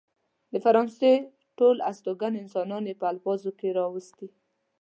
د فرانسې ټول هستوګن انسان يې په الفاظو کې راوستي.